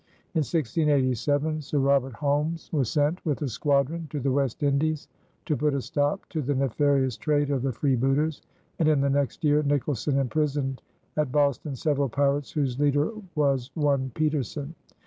In 1687 Sir Robert Holmes was sent with a squadron to the West Indies to put a stop to the nefarious trade of the freebooters, and in the next year Nicholson imprisoned at Boston several pirates whose leader was "one Petersen."